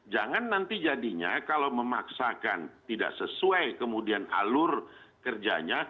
jangan nanti jadinya kalau memaksakan tidak sesuai kemudian alur kerjanya